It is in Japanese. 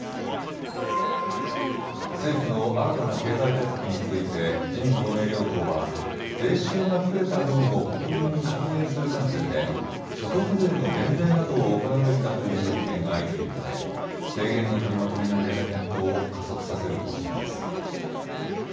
政府の新たな経済対策について、自民、公明両党は、税収が増えた分を国民に還元する観点で、所得税の減税などを行うべきだという意見が相次いでいて、提言の取りまとめに向けた検討を加速させる方針です。